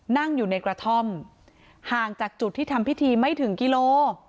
นั่งอยู่ในกระท่อมห่างจากจุดที่ทำพิธีไม่ถึงกิโล